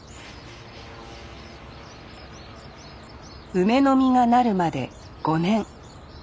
梅の実がなるまで５年。